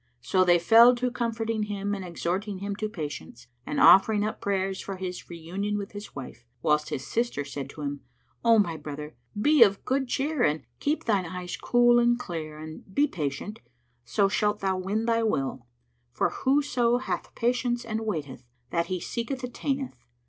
So they fell to comforting him and exhorting him to patience and offering up prayers for his reunion with his wife; whilst his sister said to him, "O my brother, be of good cheer and keep thine eyes cool and clear and be patient; so shalt thou win thy will; for whoso hath patience and waiteth, that he seeketh attaineth.